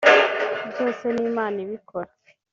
byose ni Imana ibikora